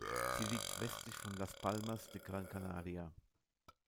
Sie liegt westlich von Las Palmas de Gran Canaria.